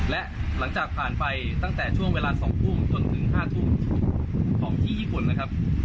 และหลังจากผ่านไปตั้งแต่ช่วงเวลา๒ทุ่มจนถึง๕ทุ่มของที่ญี่ปุ่นนะครับ